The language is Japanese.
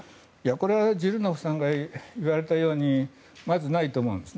これはジルノフさんが言われたようにまず、ないと思うんです。